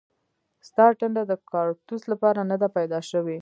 ستا ټنډه د کاړتوس لپاره نه ده پیدا شوې